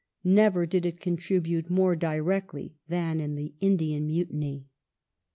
Never did it contribute more directly than in the Indian Mutiny.